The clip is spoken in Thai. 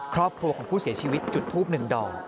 ครอบครัวของผู้เสียชีวิตจุดทูบหนึ่งดอก